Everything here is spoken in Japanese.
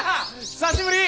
久しぶり！